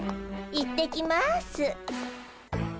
行ってきます。